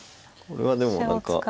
これはでも何か。